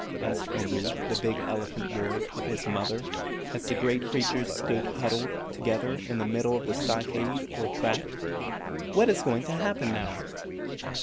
asked Umboo the big elephant boy of his mother, as the great creatures stood huddled together in the middle of the stockade, or trap. "What is going to happen now?"